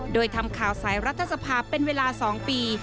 โดยทำข่าวสายรัฐสภาเป็นเวลา๒ปี